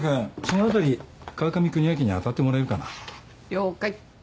了解。